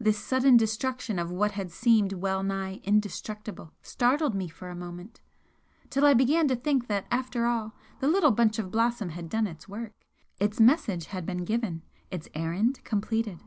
This sudden destruction of what had seemed well nigh indestructible startled me for a moment till I began to think that after all the little bunch of blossom had done its work, its message had been given its errand completed.